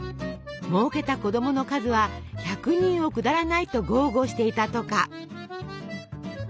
もうけた子供の数は１００人を下らないと豪語していたとか。